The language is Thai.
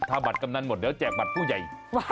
ถ้าบัตรกำนันหมดเดี๋ยวแจกบัตรผู้ใหญ่